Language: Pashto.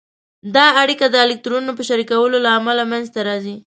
دا اړیکه د الکترونونو په شریکولو له امله منځته راځي.